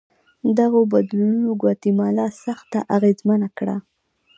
دغو بدلونونو ګواتیمالا سخته اغېزمنه کړه.